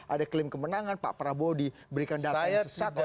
ada klaim kemenangan pak prabowo diberikan data yang sesat